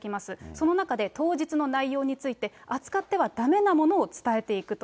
その中で当日の内容について、扱ってはだめなものを伝えていくと。